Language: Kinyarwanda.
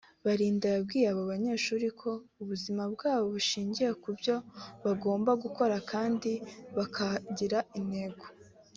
Balinda yabwiye abo banyeshuri ko ubuzima bwabo bushingiye ku byo bagomba gukora kandi bakagira intego